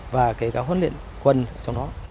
và cái các huấn luyện quân trong đó